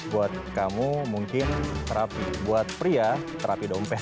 buat kamu mungkin terapi buat pria terapi dompet